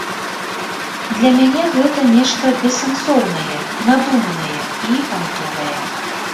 Для мяне гэта нешта бессэнсоўнае, надуманае і пантовае.